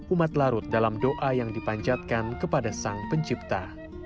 umat larut dalam doa yang dipanjatkan kepada sang pencipta